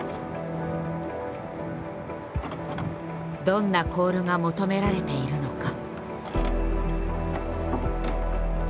どんなコールが求められているのか。